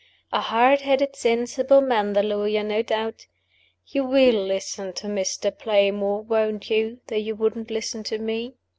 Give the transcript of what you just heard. A hard headed, sensible man the lawyer, no doubt. You will listen to Mr. Playmore, won't you, though you wouldn't listen to me?"